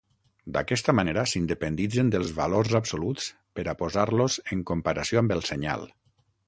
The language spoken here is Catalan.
D'aquesta manera, s'independitzen dels valors absoluts per a posar-los en comparació amb el senyal.